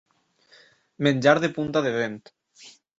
Menjar de punta de dent.